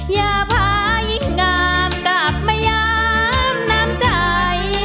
อย่าพาอีกงามกลับมาย้ำน้ำใจ